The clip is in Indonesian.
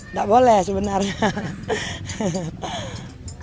nggak boleh sebenarnya